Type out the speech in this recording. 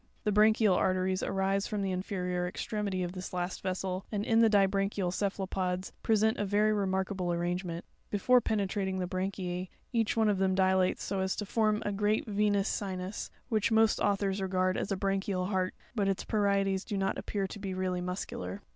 The bran chial arteries arise from the inferior extremity of this last vessel, and, in the dibranchial cephalopods, present a verv remarkable arrangement; for, before penetrating the branchie, each one of them dilates so as to form a great venous sinus (fig. 9, cb), which most authors regard as a branchial heart, but its parietes do not appear to be really muscular.